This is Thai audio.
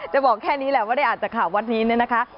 จะบอกแค่นี้แหละว่าในไอจากข่าวนี้เนี่ยนะคะ